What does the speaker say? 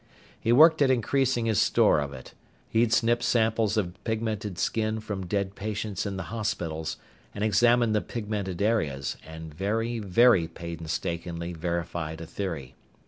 He worked at increasing his store of it. He'd snipped samples of pigmented skin from dead patients in the hospitals, and examined the pigmented areas, and very, very painstakingly verified a theory.